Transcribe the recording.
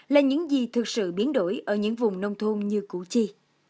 là những gì thực sự biến đổi ở những vùng nông thôn như củ chi